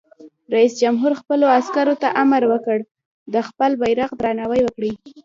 رئیس جمهور خپلو عسکرو ته امر وکړ؛ د خپل بیرغ درناوی وکړئ!